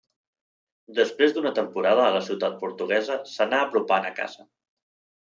Després d'una temporada a la ciutat portuguesa, s'anà apropant a casa.